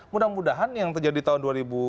mudah mudahan yang terjadi tahun dua ribu delapan belas